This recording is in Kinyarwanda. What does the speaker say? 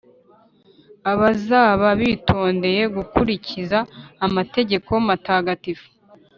Abazaba bitondeye gukurikiza amategeko matagatifu